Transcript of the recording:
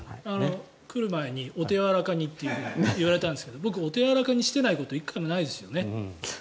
来る前にお手柔らかにって言われたんですが僕、お手柔らかにしてないこと１回もないですよね。